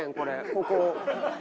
ここ。